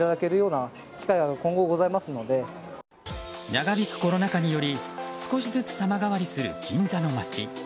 長引くコロナ禍により少しずつ様変わりする銀座の街。